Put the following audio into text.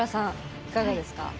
いかがですか？